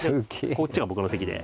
こっちが僕の席で。